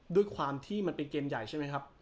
ด้วยความที่มันเป็นเกมใหญ่ใช่ไหมครับ